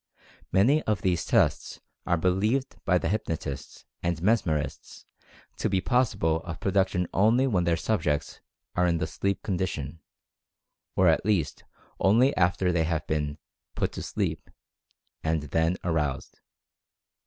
Many of these tests are believed by the Hypnotists and Mesmerists to be possible of production only when their "subjects" are in the "sleep condition," or at least only after they have been "put to sleep" and then aroused.